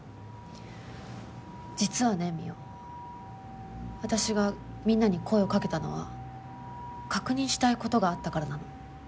実はね望緒私がみんなに声をかけたのは確認したい事があったからなの。